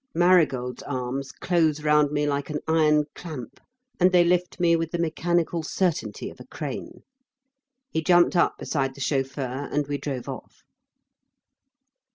Marigold's arms close round me like an iron clamp and they lift me with the mechanical certainty of a crane. He jumped up beside the chauffeur and we drove off.